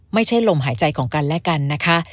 ไม่ใช่ลมหายใจของกันและกันนะคะ